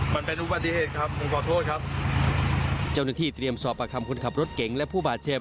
มันเป็นคุณที่ผู้ป่าเจ็บจริงและหนูปากเจ็บ